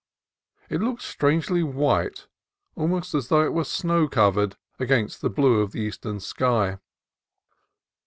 It looked strangely white, almost as though it were snow covered, against the blue of the eastern sky.